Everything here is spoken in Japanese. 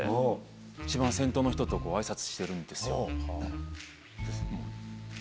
一番先頭の人とこうあいさつしてるんですよ。